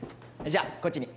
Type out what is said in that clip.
じゃあこっちに！